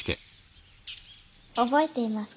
覚えていますか？